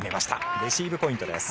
レシーブポイントです。